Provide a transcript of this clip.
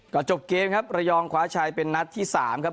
ก็จบเกมครับระยองคว้าชัยเป็นนัดที่๓ครับ